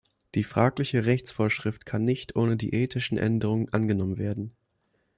Die fragliche Rechtsvorschrift kann nicht ohne die ethischen Änderungen angenommen werden.